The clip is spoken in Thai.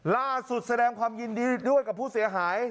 แสดงความยินดีด้วยกับผู้เสียหาย